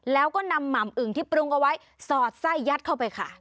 แล้วก็นำหม่ำอึ่งที่ปรุงเอาไว้สอดไส้ยัดเข้าไปค่ะ